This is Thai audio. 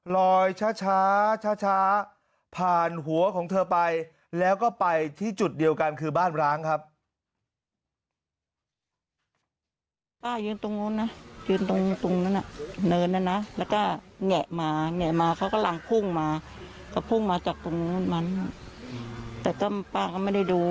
ลอยช้าผ่านหัวของเธอไปแล้วก็ไปที่จุดเดียวกันคือบ้านร้างครับ